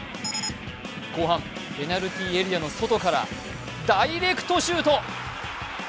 後半、ペナルティーエリアの外からダイレクトシュート。